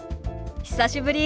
久しぶり。